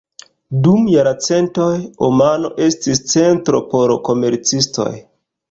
Dum jarcentoj, Omano estis centro por komercistoj.